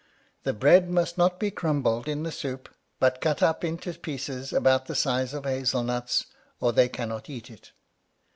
The bread must not be crumbled in the soup, but cut up into pieces about the size of hazel nuts, or they cannot eat it.